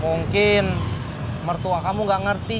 mungkin mertua kamu nggak ngerti jack